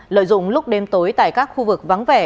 lợi dụng lúc đêm tối tại các khu vực vắng vẻ